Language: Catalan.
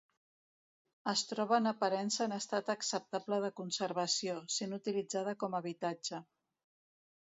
Es troba en aparença en estat acceptable de conservació, sent utilitzada com habitatge.